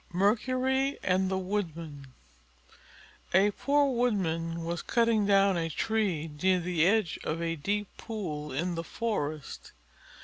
_ MERCURY AND THE WOODMAN A poor Woodman was cutting down a tree near the edge of a deep pool in the forest.